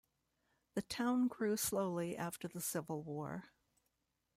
The town grew slowly after the Civil War.